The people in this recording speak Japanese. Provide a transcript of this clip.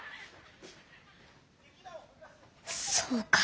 そうか。